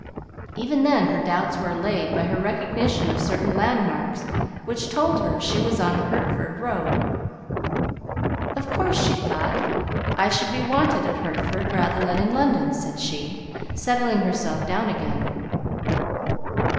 Even then her doubts were allayed by her recognition of certain landmarks which told her she was on the Hertford Road. "Of course," she thought. "I should be wanted at Hertford rather than in London," and she settled herself down again.